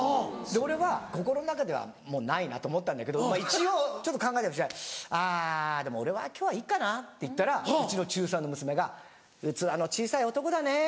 俺は心の中では「もうないな」と思ったんだけどまぁ一応ちょっと考えてるふりして「あぁでも俺は今日はいっかな」って言ったらうちの中３の娘が「器の小さい男だねぇ」